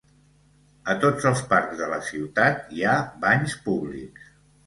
A tots els parcs de la ciutat hi ha banys públics.